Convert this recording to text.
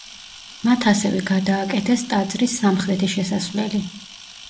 მათ ასევე გადააკეთეს ტაძრის სამხრეთი შესასვლელი.